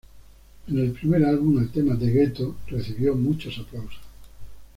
En el primer álbum, el tema "The Gueto", recibió muchos aplausos.